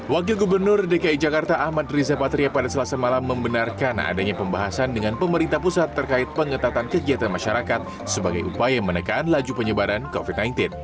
wakil gubernur dki jakarta ahmad riza patria pada selasa malam membenarkan adanya pembahasan dengan pemerintah pusat terkait pengetatan kegiatan masyarakat sebagai upaya menekan laju penyebaran covid sembilan belas